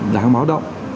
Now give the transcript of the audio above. đáng báo động